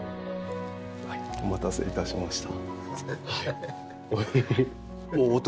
お待たせ致しました。